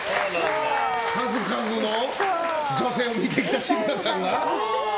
数々の女性を見てきた志村さんが？